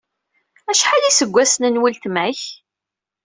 Acḥal iseggasen n weltma-k?